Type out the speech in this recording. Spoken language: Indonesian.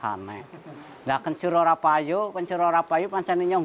kalau dikukus dikukus lagi makanya tidak bisa dikukus